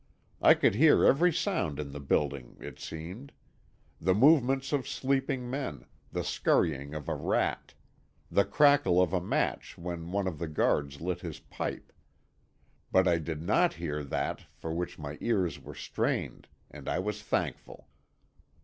I could hear every sound in the building, it seemed; the movements of sleeping men, the scurrying of a rat, the crackle of a match when one of the guards lit his pipe. But I did not hear that for which my ears were strained, and I was thankful.